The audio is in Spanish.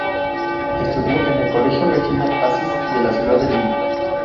Estudió en el Colegio Regina Pacis de la ciudad de Lima.